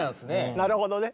なるほどね。